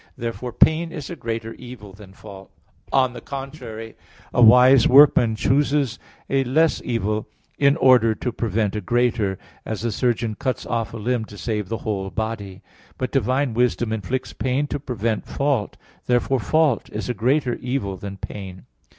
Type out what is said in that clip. Therefore pain is a greater evil than fault. On the contrary, A wise workman chooses a less evil in order to prevent a greater, as the surgeon cuts off a limb to save the whole body. But divine wisdom inflicts pain to prevent fault. Therefore fault is a greater evil than pain.